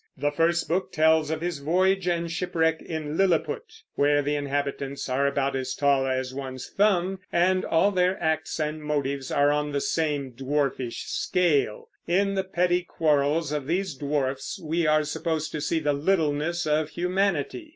The first book tells of his voyage and shipwreck in Lilliput, where the inhabitants are about as tall as one's thumb, and all their acts and motives are on the same dwarfish scale. In the petty quarrels of these dwarfs we are supposed to see the littleness of humanity.